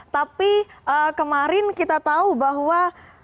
tapi kemarin kita tahu bahwa